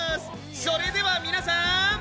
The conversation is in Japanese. それでは皆さん。